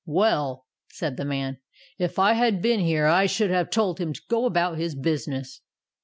"Well," said the man, "if I had been here I should have told him to go about his business."